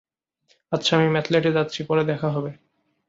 আচ্ছা, আমি ম্যাথলেটে যাচ্ছি, পরে দেখা হবে!